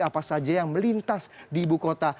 apa saja yang melintas di ibu kota